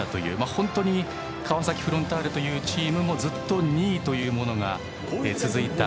本当に川崎フロンターレというチームもずっと２位というものが続いた